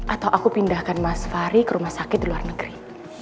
atau aku pindahkan mas fahri ke rumah sakit di luar negeri